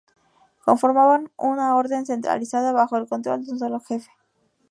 Conformaban una orden centralizada bajo el control de un solo jefe.